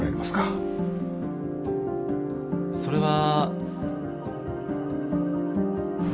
それは。